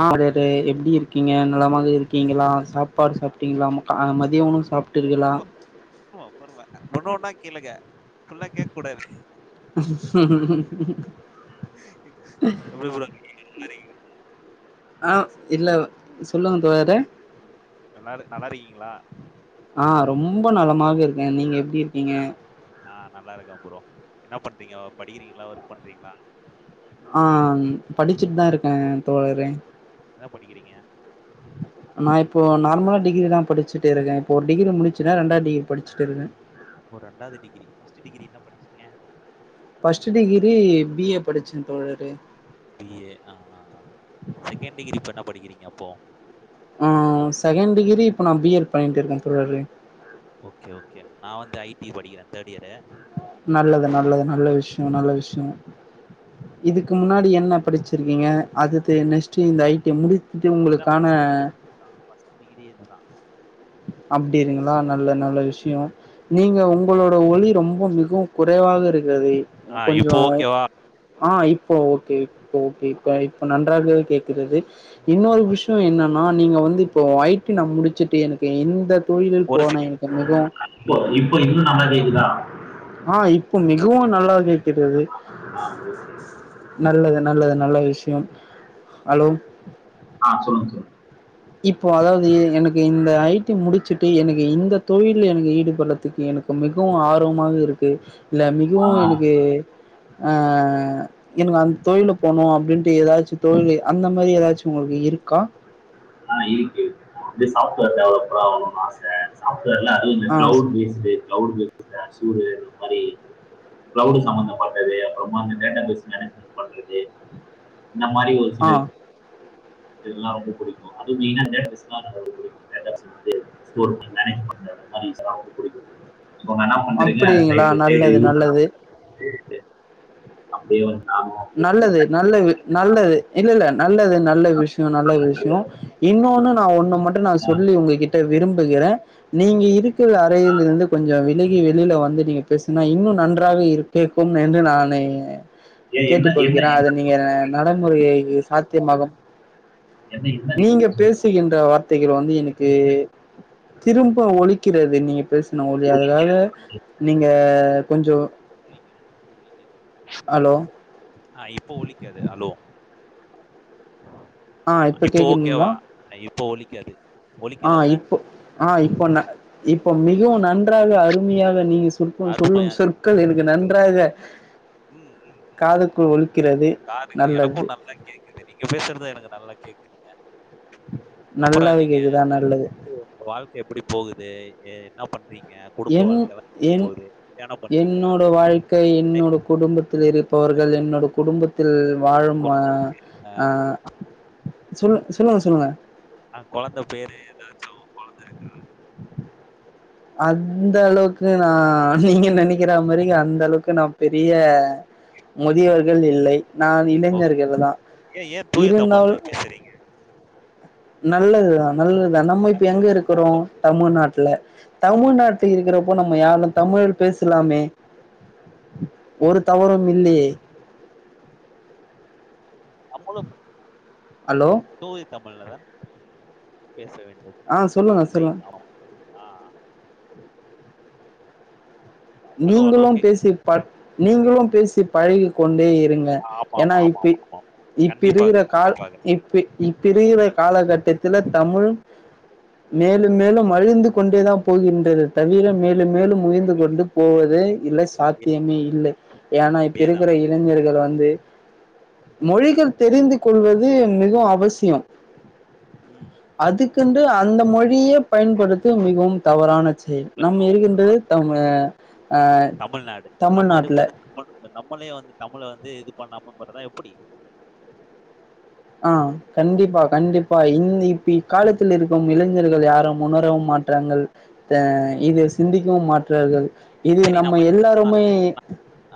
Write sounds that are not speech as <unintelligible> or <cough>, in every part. அ <inaudible> எப்டி இருக்கீங்க நலமாக இருக்கீங்களா சாப் பாடு சாப்டீங்ளா ம க அ மதிய உணவு சாப்டீர்களா ம பொறும அ ஒன்னு ஒன்னா கேளுங்க ஃபுல்லா கேக்கூடாது எப்டி போடுவாய்ங் அ இல்ல சொல்லுங்க ப்ரதர் எல்லாரு நல்லாருக்கீங்ளா அ ரொம்ப நலமாக இருக்கே நீங்க எப்டி இருக்கீங்க அ நல்லா இருக்க ப்ரோ என்ன பண்றீங்கோ படிக்கிறீங்ளா ஒர்க் பண்றீங்ளா ஆ ம் படிச்சுட்டு தா இருக்கே தோழரே என்ன படிக்குறீங்க நா இப்போ நார்மலா டிகிரி தா படிச்சுட்டு இருக்க இப்போ ஒரு டிகிரி முடிச்சுனா ரெண்டா டிகிரி படிச்சுட்டு இருக்க ஓ ரெண்டாது டிகிரி ஃபஸ்ட் டிகிரி என்ன படிச்சீங்க ஃபஸ்ட் டிகிரி பி ஏ படிச்சன் தோழரே பி ஏ அ அ அ செகண்ட் டிகிரி இப்ப என்ன படிக்கிறீங்க அப்போ அ செகண்ட் டிகிரி இப்ப நா பி எட் பண்ட்டுருக்கன் தோழரே ஓகே ஓகே நா வந்து ஐ டி படிக்குற தேர்ட் இயரு நல்லது நல்லது நல்ல விஷ்யோ நல்ல விஷ்யோ இதுக்கு முன்னாடி என்ன படிச்சிருக்கீங்க அது தெ நெஸ்ட் இந்த ஐ டி முடி இதுதா ஃபஸ்ட் டிகிரி இதுதா ஃபஸ்ட் டிகிரியே இதுதா அப்டி இருங்களா நல்ல நல்ல விஷயோ நீங்க உங் உங்களோட ஒளி ரொம்ப மிகவும் குறைவாக இருக்கறதே கொஞ்சோ ஆ இப்ப ஓகே இப்ப ஓகே கை இப்ப நன்றாகவே கேக்குறது இன்னொரு விஷயோ என்ன னா நீங்க வந்து இப்போ ஐ டி நா முடிச்சுட்டு எனக்கு எந்த தொழிலில் போனா எனக்கு மிகவும் இப்போ இப்ப இன்னு நல்ல கேக்குதா ஆ இப்போ மிகவும் நல்லா கேட்கிறது நல்லது நல்லது நல்ல விஷயம் ஹலோ ஆ சொல்லுங்க சொல்லுங்க இப்போ அதாவது எனக்கு இந்த ஐ டி முடிச்சுட்டு எனக்கு இந்த தொழில் எனக்கு ஈடுபடுறதுக்கு எனக்கு மிகவு ஆர்வமாக இருக்கு இல்ல மிகவு எனக்கு ஆ எனக்கு அந்த தொழில போனணு அப்படின்ட்டு ஏதாச்சும் தொழில அந்த மாதிரி ஏதாச்சும் உங்களுக்கு இருக்கா ஆ இருக்கு நா வந்து சாஃப்ட்வேர் டெவலப்பரா ஆகனுன்னு ஆச சாஃப்ட்வேர்ல அது மாரி ஆ cloud based cloud based Azure அந்த மாறி கிளவ்டு சம்பந்த பட்டது அப்புறமா இந்த டேட்டா பேஸ் மேனேஜ்மென்ட் பண்றது இந்த மாரி ஒரு ஆ இதெல்லா ரொம்ப புடிக்கு அதுவு மைனா டேட்டா பேஸ்லா ரொம்ப புடிக்கு டேட்டா பேஸ் வந்து ஸ்டோர் பண்ணி மேனேஜ் பண்றது இந்த மாரி விஷயமெல்லா ரொம்ப புடிக்கு சோ என்ன பண்றீங்க அது அப்படிங்களா சைடு பெய் சைடு நல்லது யூஸ் நல்லது. சேரி சேரி அப்டியு நானு அப்டி இருந்துருப்ப நல்லது நல்லது இல்லல்ல நல்லது நல்ல விஷயோ நல்ல விஷயோ இன்னொன்னு நா ஒன்னு மட்டும் நா சொல்லி உங்க கிட் ட்ட விரும்புகிற நீங்க இருக்குற அறையில இருந்து கொஞ்சோ விலகி வெளில வந்து நீங்க பேசுனா இன்னு நன்றாக இரு கேக்கும் என்று நானே கேட்டுகொள்கிறே அது நீங்க நடைமுறை சாத்தியமாகும் நீங்க பேசுகின்ற வார்த் தைகள் வந்து எனக்கு திரும்ப ஒலிக்கிறது நீங்க பேசு இன்னு ஒலியாக யாக நீங்க கொஞ்சோ ஹலோ ஆ இப்போ ஒலிக்காது ஹலோ ஆ இப்ப ஓகே கேக்குதுங்களா? வா அய் இப்போ ஒலிக்காது ஆ இப்போ ஆ இப்போ ந இப்போ மிகவும் நன்றாக அருமையாக நீங்க சொல்லும் சொற்கள் இருக்கு நன்றாக காதுக்குள் ஒலித்து இருக்கிறது நல்லது கேக்குது நீங்க பேசுறத எனக்கு நல்லா கேக்குதுங்க நல்லாவே கேக்குதுதா நல்லது வாழ்க்க எப்டி போகுது என்னா பண்றீங்க என் என் என்னோட வாழ்க்கை என்னோட குடும்பத்தில இரு ப்பவர்கள் என்னோடு குடும்பத்தில் வாழும் அ அ சொல் சொல்லுங்க சொல்லுங்க ஆ கொழந்த பேரு ஓ <unintelligible> அந்த அளவுக்கு நா நீங்க நினக்கிற மாறி அந்த அளவுக்கு நா பெரிய முதியவர்கள் இல்லை நான் இளைஞர்கள் தான் இருந்தால் நல்லதுதா நல்லதுதா நம்ம இப்ப எங்க இருக்கறோ தமிழ்நாட்டுல தமிழ்நாட்டை இருக்கிறப்போ நம்ம யாரும் தமிழ்ல பேசலாமே ஒரு தவறும் இல்லையே அம்பள பெட் <unintelligible> ஹலோ தூய தமிழ்ல தான் பேச வேண்டும் அ சொல்லுங்க சொல்லுங்க ஆ நீங்களும் பேசி பாத் நீங்களும் பேசி பழகி கொண்டே இருங் அ ஏன்னா இப்பி இப்பி இருக்கிற கால் இப்பி இப்ப இருக்கீற காலகட்டத்துல தமுழ் மேலும் மேலும் அழிந்து கொண்டே தா போகின்றது தவிர மேலும் மேலும் உயர்ந்து கொண்டு போவது இல்ல சாத்தியமே இல்ல ஏனா இப்ப இருக்குற இளை ஞர்கள்‌ வந்து மொழிகள் தெரிந்து கொள்வது மிக அவசியோ அதுக்குன்டு அந்த மொழியே பயன்படுத்து மிகவும் தவறானது சேரி நம்ம இருக்கின்றது தம்மு அ தமுழ்நாட்டுல இந்த நம்மளே வந்து தமுழ வந்து இது பண்ணாம பணணுணா எப்புடி ஆ கண்டிப்பா கண்டிப்பா இந்தி இப் பிக்காலத் த்துல இருக்கும் இளைஞர்கள் யாரும் உணரவும் மாற்றாங்கள் அ இது சிந்திக்கவும் மாற்றார்கள் இது நம்ம எல்லாருமே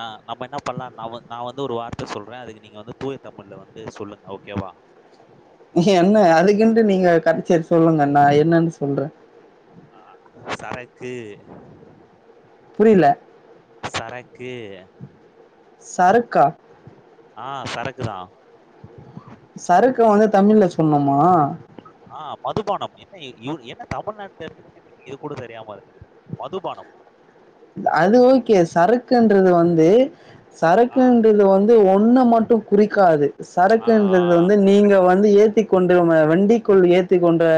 அ நம்ம என்ன பண்லா நா வந் நா வந்து ஒரு வார்த்த சொல்றே அதுக்கு நீங்க வந்து தூய தமிழ்ல வந்து சொல்லுங்க ஓகேவா என்ன அதுக்குன்டு நீங்க கடைசியெழுத்து சொல்லுங்க நா என்னன்னு சொல்றே ஆ சரக்கு புரில சரக்கு சரக்கா ஆ சரக்குதான் சரக்க வந்து தமிழ்ல சொல்லன்னுமா ஆ மதுபானம் என்ன இ இல் என்ன தமிழ்நாட்டுல இருந்துக்கிட்டு நீங்க இது கூட தெரியாம இருக்கீங்க மதுபானம் அது ஓகே சரக்குன்றது வந்து சரக்குன்றது வந் து ஒன்னு மட்டு குறிக்காது சரக்குன்றது வந்து நீங்க வந்து ஏத்திக் கொண்டு வ வண்டிக்குள் ஏத்திக் கொண்டு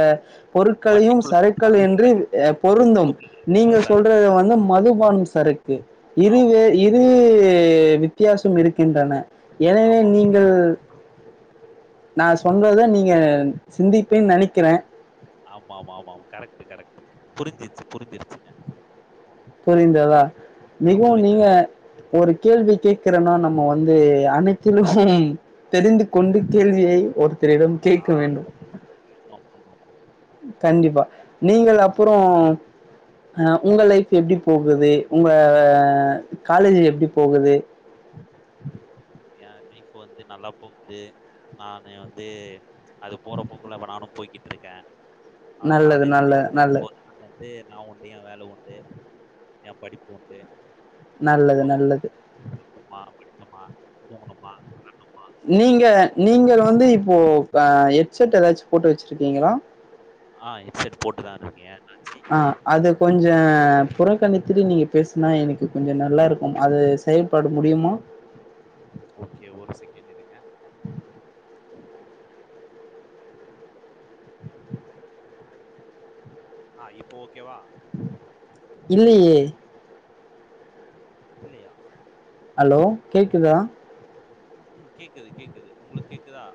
பொருட்களையும் சருக்கள் என்று அ பொருந்தும் நீங்க சொல்றது வந்து மதுபானம் சருக்கு இதுவே இது வித்தியாசம் இருக்கின்றன எனவே நீங்கள் நா சொல்றத நீங்க சிந்திப்பேன் நெனைக்கிறே ஆமா ஆமா ஆமா அ கரெக்ட் கரெக்ட் புரிஞ்சிருச்சு புரிஞ்சிருச்சுங்க புரிந்ததா மிக மிக ஒரு கேள்வி கேக்குறனா நம்ம வந்து அனைத்திலும் தெரிந்து கொண்டு கேள்வியை ஒருத்தரிடம் கேக்க வேண்டும் <unintelligible> கண்டிப்பா நீங்கள் அப்புறோ அ உங்க லைஃப் எப்டி போகுது உங்க அ காலேஜ் எப்டி போகுது ஏ லைஃப் வந்து நல்லா போகுது நானு வந்து அது போறப்போக்குள்ள இப்ப நானு போய்கிட்ருக்கே நல்லது நல்ல நல்லது நா வந்து நா உண்டு ஏ வேல உண்டு ஏ படிப்பு உண்டு நல்லது வந்தமா நல்லது போனமா படிச்சமா தூங்குணோமா நீங்க நீங்கள் வந்து இப்போ அ ஹெட்செட் ஏதாச்சு போட்டு வச்சுருக்கீங்ளா அ ஹெட் செட் போட்டுதா இருக்கே ஏண்ணே அ அது கொஞ்ச புறக்கணித்துட்டு நீங்க பேசுனா எனக்கு கொஞ்ச நல்லா இருக்கும் அது செயல்பாடு முடியுமா ஓகே ஒரு செகண்ட் இருங்க ஆ இப்போ ஓகேவா இல்லேயே இல்லயா ஹலோ கேக்குதா ம் கேக்குது கேக்குது உங்களுக்கேக்குதா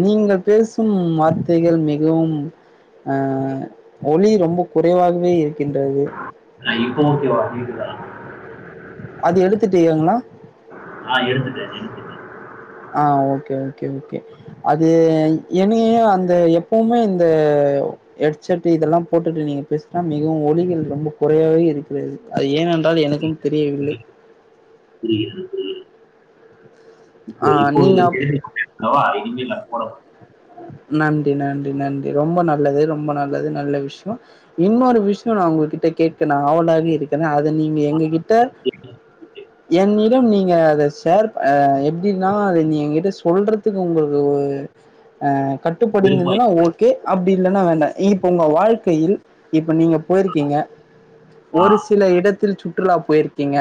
நீங்கள் பேசும் வார்த்தைகள் மிகவும் ஆ ஒலி ரொம்ப குறைவாகவே இருக்கின்றது அ இப்போ ஓகேவா கேக்குதா அது எடுத்துட்டு யேங்னா ஆ எடுத்துட்ட எடுத் ஆ ஓகே ஓகே ஓகே அது என்னையு அந்த எப்பவுமே இந்த ஹெட்சட் இதெல்லா போட்டுட்டு நீங்க பேசுனா மிகவும் ஒலிகள் ரொம்ப குறையவே இருக்கு அது ஏனென்றால் எனக்கும் தெரியவில்லை புரிகிறதுபுரிகிறது இப்போ ஆ இப்போது நீங்க அப் பேசிக் <unintelligible> இல்ல <unintelligible> போடவா நன்றி நன்றி நன்றி ரொம்ப நல்லது ரொம்ப நல்லது நல்ல விஷ்யோ இன்னொரு விஷ்யோ நா உங்ககிட்ட கேட்க நா ஆவளாவே இருக் குற அது நீங்க எங்ககிட்ட என்னிடம் நீங்க அத ஷேர் ப அ எப்டின்னா அத நீ எங்கிட்ட சொல்றதுக்கு உங்களுக்கு உ அ கட்டுப்படுந்திந்துன்னா ஓ கே அப்டி இல்லன்னா வேண்டா இப்ப உங்க வாழ்க்கையில் இப்ப நீங்க போயிருக்கீங்க ஒரு சில இடத்தில் சுற்றுலா போயிருக்கீங்க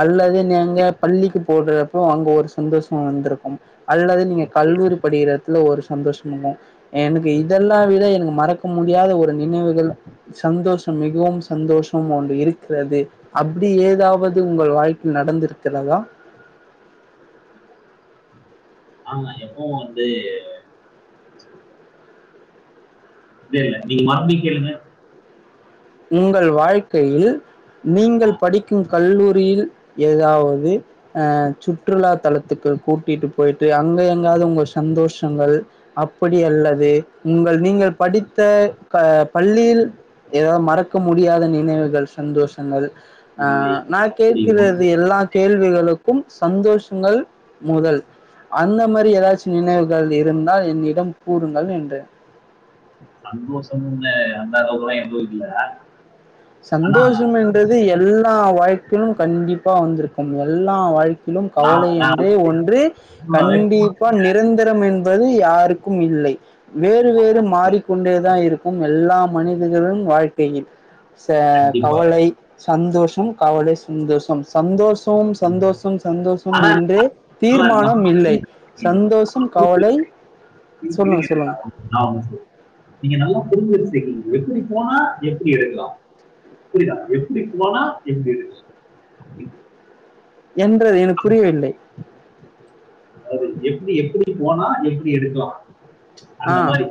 அல்லது நேங்க பள்ளிக்கு போடுறப்போ அங்க ஒரு சந்தோஷோ வந்துருக்கும் அல்லது நீங்க கல்லூரி படிக்கிறத்துல ஒரு சந்தோஷம் இல்ல எனக்கு இதெல்லா விட எனக்கு மறக்க முடியாத ஒரு நினைவுகள் சந்தோஷம் மிகவும் சந்தோஷம் ஒன்று இருக்கிறது அப்டி ஏதாவது உங்கள் வாழ்க்கையில் நடந்திருக்கிறதா ஆமா எப்பவு வந்து இல்ல இல்ல நீங்க மறுபிடியு கேளுங்க உங்கள் வாழ்க்கையில் நீங்கள் படிக்கும் கல்லூரியில் ஏதாவது அ சுற்றுலா தலத்துக்கு கூட்டிட்டு போயிட்டு அங்க எங்காவது உங்க சந்தோஷங்கள் அப்படி அல்லது உங்கள் நீங்கள் படித்த ப பள்ளியில் ஏதாவது ம றக்க முடியாத நினைவுகள் சந்தோஷங்கள் நா கேட்கிறது எல்லா கேள்விகளுக்கும் சந்தோஷங்கள் முதல் அந்த மாரி ஏதாச்சும் நினைவுகள் இருந்தால் என்னிடம் கூறுங்கள் என்றேன் சந்தோஷமுன்னு அந்தளவுக்கெல்லா எதுவு இல்ல சந்தோஷம் என்றது எல்லா வாழ்க்கிலும் கண்டிப்பா வந்திருக்கும் எல்லா வாழ்க்க லும் கவலை என்ற ஒன்று நார்மலா கண்டி இப்போ நிரந்தரம் என்பது யாருக்கும் இல்லை வேறு வேறு இருக்கும் மாறிக்கொண்டேதா இருக்கும் எல்லா மனிதர்களின் வாழ்க்கையில் ச கவலை சந்தோஷம் கவலை சந்தோஷம் சந்தோஷம் கண்டிப்பா சந்தோஷம் சந்தோஷம் ஆனா என்றே நல்லா தீர்மானம் இல்லை இருக்கீங்க. சந்தோஷம் புரிஞ்சு கவலை சொல்லுங்க சொல்லுங்க ஆமா சார் நீங்க நல்லா புரிஞ்சு வெச்சிருக்கீங்க எப்டி போனா எப்டி இருக்கலாம் புரிதா எப்படி போனா எப்டி இரு என்றது எனக்கு புரியவில்லை அது எப்டி எப்டி போனா எப்டி எடுக்கலா அந்த ஆ மாரி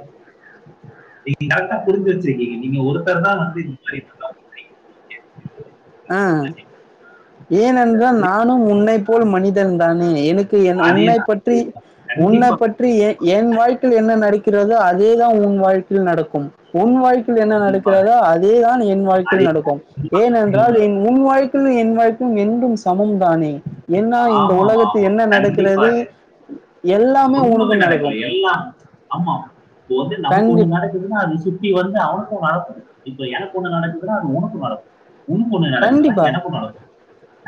நீங்க கரட்டா புரிஞ்சு வச்சிருக்கீங்க நீங்க ஒருத்தர் தா வந்து இப்டி ஆ ஏனென்றால் புரியுது. நானும் உன்னை போல் மனிதன்தானே எனக்கு என் அதே உன்னை தான் பற்றி புரியுதா? உன்னை கண்டிப்பா பற்றி ஏ ஏன் வாழ்க்கையில் என்ன நடக்கிறதோ அதேதான் உன் வாழ்க்கையில் நடக்கும் உன் வாழ்க் க்கையில் என்ன கண்டிப்பா நடக்கிறதோ அதேதான் என் வாழ்க்கையில் அதே நடக்கும் ஏனென் உன் வாய்ப்பும் என் வாய்ப்பும் என்றும் சமம் தானே என்னா இந்த ஆமா ஆமா உலகத்து ஆமா என்ன கண்டிப்பா நடக்கிறது எல்லாமே ஒண்ணுமே உனக்கும் நடக்கல நடக்கும் எல்லாம் ஆமா இப்போ வந்து நமக்கு கண்டி ஒண்ணு நடக்குதுன்னா அது சுத்தி வந்து அவனுக்கும் நடக்கும் இப்ப எனக்கு ஒன்னு நடக்குதுன்னா அது உனக்கும் நடக்கும் உனக்கு ஓண்ணு நடக்குதுன்னா கண்டிப்பா எனக்கும் நடக்கும்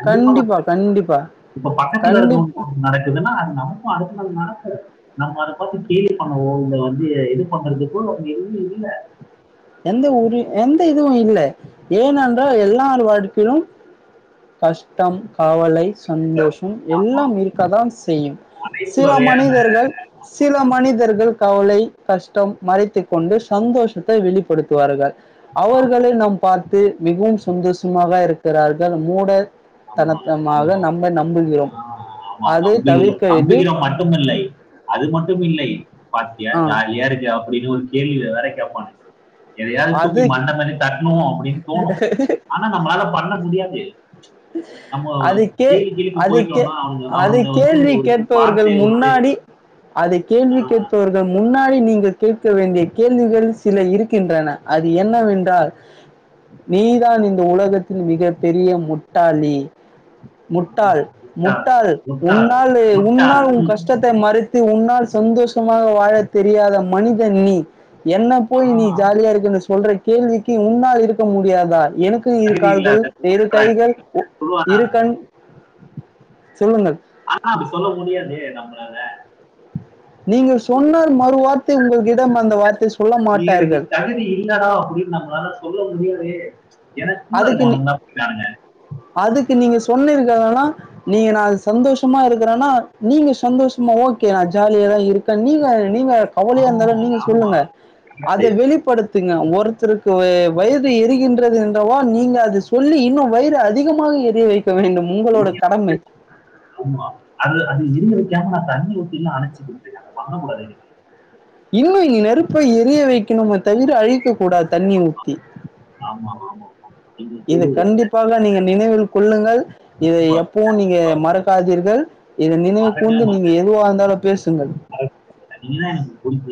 கண்டிப்பா இப்ப பக்கத்துல கண்டிப்பா இருக்கவங்க நடக்குதுன்னா அது நமக்கும் அடுத் த்து நம் நடக்கும் நம்ம அத பாத்து கேளி பண்ணவோ இல்ல வந்து இது பண்றதுக்கோ அங்க எதுமே இல்ல எந்த உரி எந்த இதுவும் இல்ல ஏனன்றா எல்லார் வாழ்க்கிலும் கஷ்டம் கவலை சந்தோஷம் எல்லாம் இருக்க தான் செய்யும் அனைத்து சில வகையான மனிதர்கள் சில மனிதர்கள் கவலை கஷ்டம் மறைத்துக்க கொண்டு சந்தோஷத்தை வெளிப்ப படுத்துவார்கள் அவர்களை நாம் பார்த் து மிகவும் சந்தோஷமாக இருக்கிறார்கள் மூட ஆமா ஆமா ஆ ஆமா அதை நம்பிகிறோம் தவிர்க்க இது நம்பிகிறோம் மட்டுமில்லை அது மட்டும் இல்லை பாத்தியா ஆஹ் ஜாலியா இருக்க அப்படின்னு ஒரு கேள்வி வேற கேப்பானுக எதையாது தூக்கி அது மண்ட மேலே தட்ணு அப்டின்னு தோணு ஆனா நம்மளால பண்ண முடியாது நம்ம அது கே ஜெயிலு கீழுக்கு அது கே போயிட்டோம்னா அவனுங்க அது அவனுங்க வந்து கேள்வி கேட்பவர்கள் வார்த்தையை விட்டு முன்னாடி அது கேள்வி ஆஹ் கேட்பவர்கள் முன்னா நீங்கள் கேட்க வேண்டிய கேள்விகள் சில இருக்கின்றன அது என்னவென்றால் நீ தான் இந்த உலகத்தின் மிக பெரிய முட்டாளி ஆஹ், முட்டாள் முட்டாள் முட்டாள் உன்னால் முட்டாள் உன்னால் உன் கஷ்ட ம், கஷ்டத்தை மறைத்து உன்னால் சந்தோஷமாக வாழ தெரியாத மனிதன் நீ என்ன போய் நீ ஆஹ் ஜாலியா இருக்குனு சொல்ற கேள்விக்கு உன்னால் இருக்க முடியாதா எனக்கு தகுதி இருக்கால்கள் இல்லாத இரு மூர்க்கடா இப்படி கைகள் சொல்லுவானா இரு கண் சொல்லுங்கள் ஆனா அப்டி சொல்ல முடியாதே நம்மளால நீங்கள் சொன்னால் மறு வார்த்தை உங்கள்கிடம் அந்த வார்த்தை சொல்ல நீ அதுக்கு மாட்டார்கள் தகுதி இல்லடா அப்டின்னு நம்மளால சொல்ல முடியலயே எனக்கு கூட அதுக்கு நீ இருக்குறவனுங்கலா குடிக்கிறானுங்க அதுக்கு நீங்க சொன்னீருக்க வேணா நீங்க நா அது சந்தோஷமா இருக்குறனா நீங்க சந்தோஷமா ஓகே நா ஜாலியா தா இருக்க நீங்க நீங்க கவலையாந்தலு ஆஹ் நீங்க ஆமா சொல்லுங்க அத வெளிப்படுத் துங்க ஒருத்தருக்கு வயது எறிகின்றது து லவா நீங்க அது சொல்லி இன்னு வயிறு அதிகமாக எரிய வைக்க வேண்டும் உங்களோட என்ன கடமை ஆமா அது அது எரிய வைக்காம நா தண்ணி ஊத்திலா அணச்சுக்கிட்டு இருக்க அத பண்ணக்கூடாது இன்னு இங்க நெருப்பு எரிய வைக்கணுமே தவிர அனைக்க கூடாது தண்ணி ஊத்தி ஆமா ஆமா அப்படிங்கர தெருவு கண்ப்பாக நீங்க நினைவில் கொள்ளுங்கள் இதை எப்பவு நீங்க மறக்காதீர்கள் இத நினைவு கூர்ந்து மறக்காம நீங்க எதுவா இருந்தாலு பேசுங்கள் நீ தா எனக்கு கொம்பு